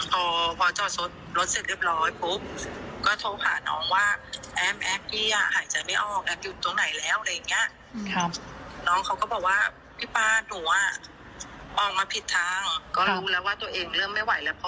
พี่ก็รู้แล้วว่าตัวเองเริ่มไม่ไหวแล้วพอมือเริ่มแข็งละ